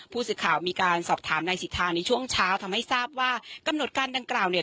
ผู้สื่อข่าวมีการสอบถามนายสิทธาในช่วงเช้าทำให้ทราบว่ากำหนดการดังกล่าวเนี่ย